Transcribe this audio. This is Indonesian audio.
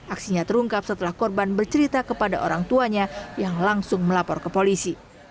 aksinya terungkap setelah korban bercerita kepada orang tuanya yang langsung melapor ke polisi